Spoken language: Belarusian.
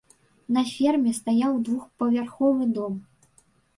На ферме стаяў двухпавярховы дом.